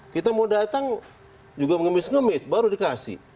kita mau datang juga mengemis ngemis baru dikasih